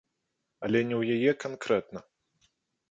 Але не ў яе канкрэтна.